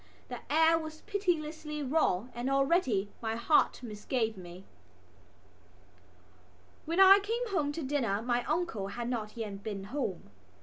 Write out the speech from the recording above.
The air was pitilessly raw and already my heart misgave me. When I came home to dinner my uncle had not yet been home.